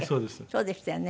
そうでしたよね。